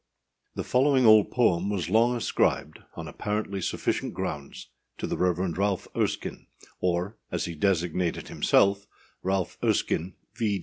[THE following old poem was long ascribed, on apparently sufficient grounds, to the Rev. Ralph Erskine, or, as he designated himself, âRalph Erskine, V.